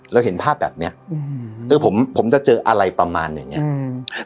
เห็นภาพแบบเนี้ยอืมเออผมผมจะเจออะไรประมาณอย่างเงี้อืม